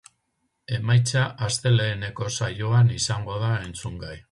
Emaitza asteleheneko saioan izango da entzungai.